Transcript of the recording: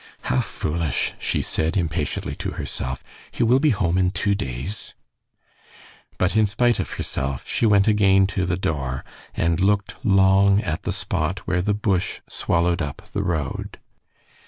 "How foolish!" she said, impatiently to herself; "he will be home in two days." But in spite of herself she went again to the door, and looked long at the spot where the bush swallowed up the road.